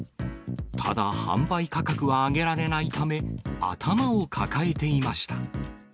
ただ販売価格は上げられないため、頭を抱えていました。